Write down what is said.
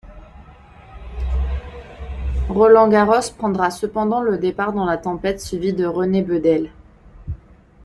Roland Garros prendra cependant le départ dans la tempête, suivi de René Bedel.